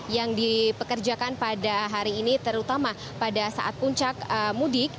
yang dipekerjakan pada hari ini terutama pada saat puncak mudik